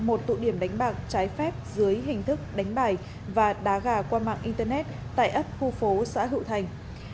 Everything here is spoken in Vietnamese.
một tụ điểm đánh bạc trái phép dưới hình thức đánh bài và đá gà qua mạng internet tại ấp khu phố xã hữu thành